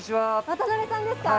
渡邊さんですか？